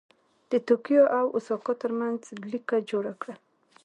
د توکیو او اوساکا ترمنځ لیکه جوړه کړه.